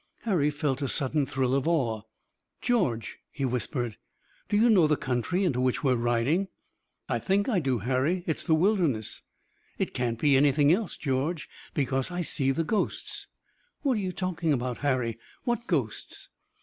Harry felt a sudden thrill of awe. "George," he whispered, "do you know the country into which we're riding?" "I think I do, Harry. It's the Wilderness." "It can't be anything else, George, because I see the ghosts." "What are you talking about, Harry? What ghosts?"